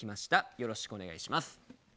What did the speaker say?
よろしくお願いします。